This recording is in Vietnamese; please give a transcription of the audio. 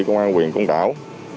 của quyền công đảo